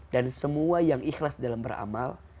dan semua yang ikhlas dalam beramal